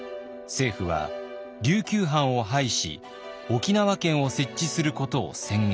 政府は琉球藩を廃し沖縄県を設置することを宣言。